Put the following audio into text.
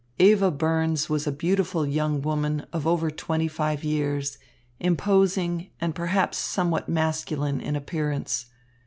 Eva Burns was a beautiful young woman of over twenty five years, imposing and perhaps somewhat masculine in appearance.